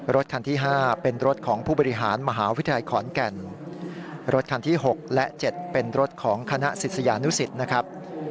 รถคันที่๕เป็นรถของผู้บริหารมหาวิทยาลัยขอนแก่นรถคันที่๖และ๗เป็นรถของคณะศิษยานุสิตนะครับ